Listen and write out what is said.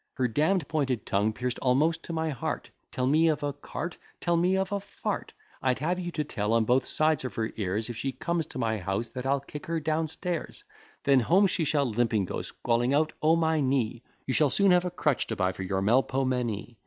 Her damn'd pointed tongue pierced almost to my heart; Tell me of a cart, tell me of a , I'd have you to tell on both sides her ears, If she comes to my house, that I'll kick her down stairs: Then home she shall limping go, squalling out, O my knee; You shall soon have a crutch to buy for your Melpomene.